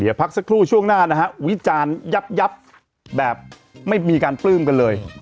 เดี๋ยวพักสักครู่ช่วงหน้านะฮะวิจารณ์ยับแบบไม่มีการปลื้มกันเลย